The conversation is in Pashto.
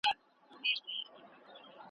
هره تاریخي اشاره او هر لرغونی متن